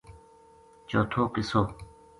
چوتھو قصو